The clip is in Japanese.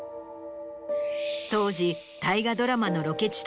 当時大河ドラマの。